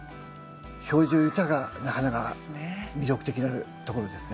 表情豊かな花が魅力的なところですね。